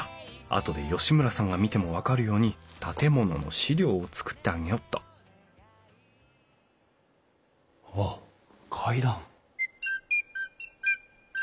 あとで吉村さんが見ても分かるように建物の資料を作ってあげよっとあっ階段。